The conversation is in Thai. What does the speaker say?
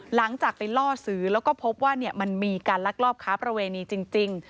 หลังจากไปล่อซื้อแล้วก็พบว่ามันมีการลักลอบค้าประเวณีจริง